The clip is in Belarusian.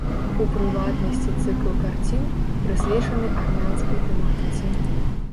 У прыватнасці цыкл карцін, прысвечаны армянскай тэматыцы.